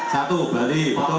satu bali betul